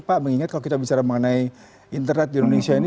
pak mengingat kalau kita bicara mengenai internet di indonesia ini